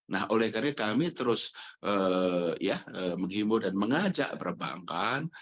nah oleh karena kami terus menghibur dan mengajak perbankan